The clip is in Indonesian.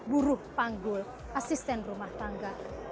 buruh panggul asisten rumah tangga